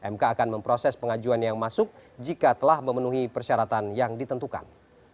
mk akan memproses pengajuan yang masuk jika telah memenuhi persyaratan yang ditentukan